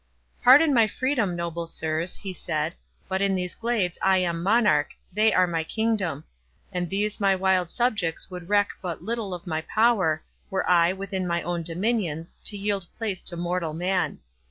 "Pardon my freedom, noble sirs," he said, "but in these glades I am monarch—they are my kingdom; and these my wild subjects would reck but little of my power, were I, within my own dominions, to yield place to mortal man.